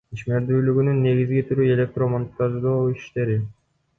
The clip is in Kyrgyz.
Ишмердүүлүгүнүн негизги түрү — электр монтаждоо иштери.